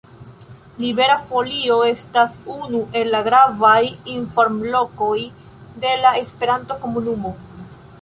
Libera Folio estas unu el la gravaj informlokoj de la esperanto-komunumo.